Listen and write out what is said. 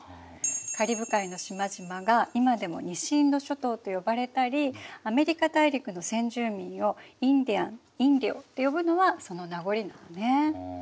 カリブ海の島々が今でも西インド諸島と呼ばれたりアメリカ大陸の先住民をインディアンインディオと呼ぶのはその名残なのね。